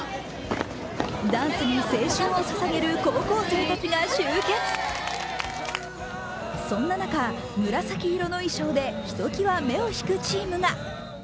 ダンスに青春をささげる高校生たちが集結そんな中、紫色の衣装でひときわ目を引くチームが。